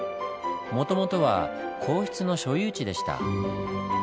もともとは皇室の所有地でした。